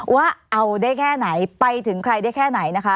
ว่าเอาได้แค่ไหนไปถึงใครได้แค่ไหนนะคะ